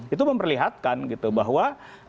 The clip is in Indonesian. itu memperlihatkan gitu bahwa